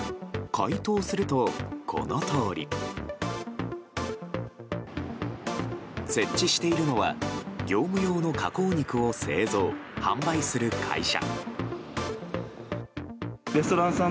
解凍すると、このとおり。設置しているのは業務用の加工肉を製造・販売する会社。